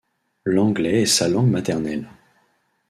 L'anglais est sa langue maternelle.